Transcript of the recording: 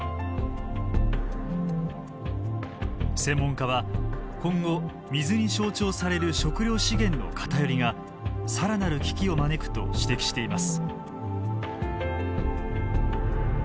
専門家は今後水に象徴される食料資源の偏りが更なる危機を招くと指摘しています。